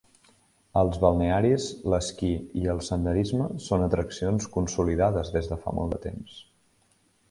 Els balnearis, l'esquí i el senderisme són atraccions consolidades des de fa molt temps.